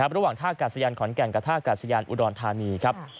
ระหว่างท่ากาศยานขอนแก่นกับท่ากาศยานอุดรธานีครับ